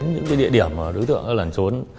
những cái địa điểm đối tượng lần trốn